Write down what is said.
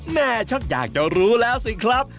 แม่ฉันอยากจะรู้แล้วสิครับ